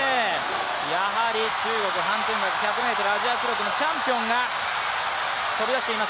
やはり、中国潘展樂、１００ｍアジア記録のチャンピオンが飛び出しています。